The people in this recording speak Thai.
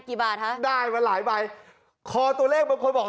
กี่บาทฮะได้มาหลายใบคอตัวเลขบางคนบอก